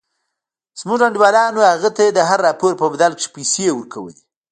زموږ انډيوالانو هغه ته د هر راپور په بدل کښې پيسې ورکولې.